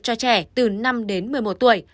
cho trẻ từ năm đến một mươi một tuổi